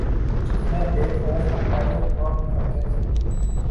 جتنے بے خوف ہم پہلے ہوا کرتے تھے۔